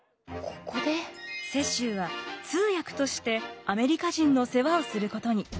雪洲は通訳としてアメリカ人の世話をすることに。